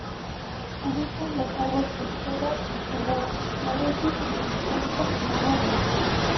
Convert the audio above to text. Habitan las aguas costeras y salobres y a veces se encuentran en agua dulce.